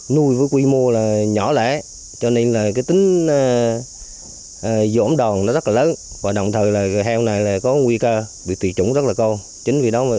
nuôi với quy mô là nhỏ lẻ cho nên là cái tính dỗm đòn nó rất là lớn và đồng thời là heo này là có nguy cơ bị tùy chủng rất là cao